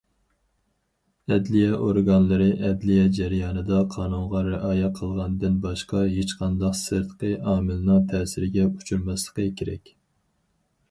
ئەدلىيە ئورگانلىرى ئەدلىيە جەريانىدا قانۇنغا رىئايە قىلغاندىن باشقا ھېچقانداق سىرتقى ئامىلنىڭ تەسىرىگە ئۇچرىماسلىقى كېرەك.